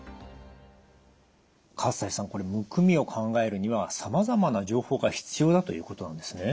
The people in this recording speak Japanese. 西さんこれむくみを考えるにはさまざまな情報が必要だということなんですね。